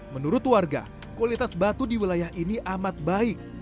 menurut warga kualitas batu di wilayah ini amat baik